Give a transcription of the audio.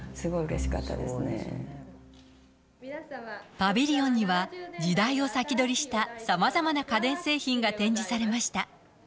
パビリオンには、時代を先取りしたさまざまな家電製品が展示されました。